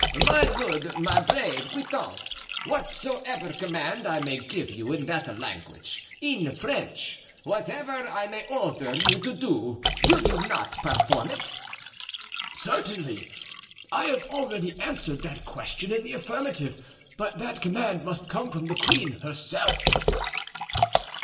"My good, my brave Guitant, whatsoever command I may give you in that language—in French—whatever I may order you to do, will you not perform it?" "Certainly. I have already answered that question in the affirmative; but that command must come from the queen herself."